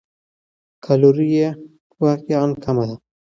کالوري یې واقعاً کمه ده.